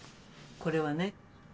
これはね。